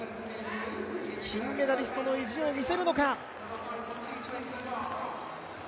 金メダリストの意地を見せるのか。